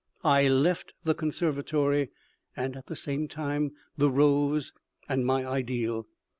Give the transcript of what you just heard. I left the conservatory, and, at the same time, the rose and my ideal.